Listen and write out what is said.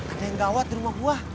ada yang gawat di rumah buah